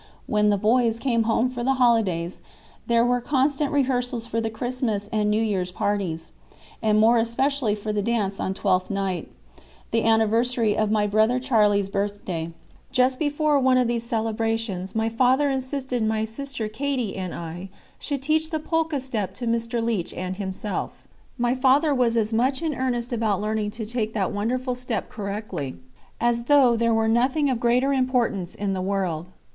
When "the boys" came home for the holidays there were constant rehearsals for the Christmas and New Year's parties; and more especially for the dance on Twelfth Night, the anniversary of my brother Charlie's birthday. Just before one of these celebrations my father insisted that my sister Katie and I should teach the polka step to Mr. Leech and himself. My father was as much in earnest about learning to take that wonderful step correctly, as though there were nothing of greater importance in the world.